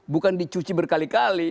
bukan dicuci berkali kali